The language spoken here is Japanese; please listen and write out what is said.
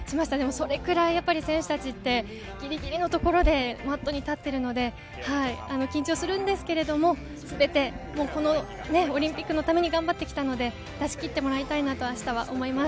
それぐらい選手たちはギリギリのところでマットに立っているので緊張するんですけれどもすべてこのオリンピックのために頑張ってきたので出し切ってもらいたいなと思います。